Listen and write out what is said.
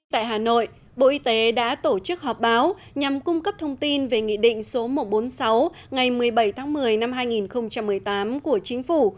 tại hà nội bộ y tế đã tổ chức họp báo nhằm cung cấp thông tin về nghị định số một trăm bốn mươi sáu ngày một mươi bảy tháng một mươi năm hai nghìn một mươi tám của chính phủ